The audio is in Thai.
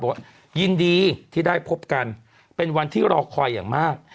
ว่ายินดีที่ได้พบกันเป็นวันที่รอคอยอย่างมาก